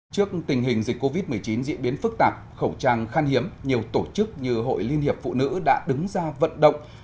trước tình hình dịch covid một mươi chín diễn biến phức tạp khẩu trang khan hiếm nhiều tổ chức như hội liên hiệp phụ nữ đã đứng ra vận động